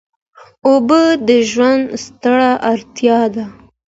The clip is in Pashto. اوبه د ژوند ستره اړتیا ده.